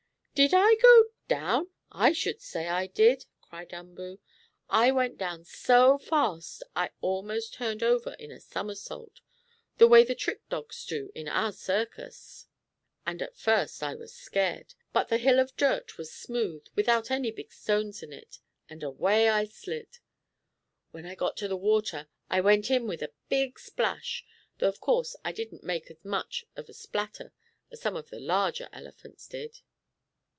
"Did I go down? I should say I did!" cried Umboo. "I went down so fast I almost turned over in a somersault, the way the trick dogs do in our circus. And, at first, I was scared. "But the hill of dirt was smooth, without any big stones in it, and away I slid. When I got to the water, in I went with a big splash; though of course I didn't make as much of a splatter as some of the larger elephants did."